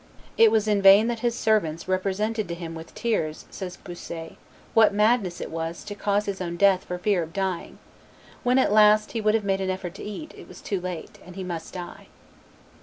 It was in vain that his servants "represented to him with tears," says Bossuet, "what madness it was to cause his own death for fear of dying; when at last he would have made an effort to eat, it was too late, and he must die."